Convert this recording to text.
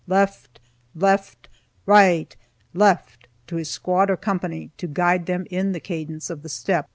left, right, left!" to his squad or company, to guide them in the cadence of the step.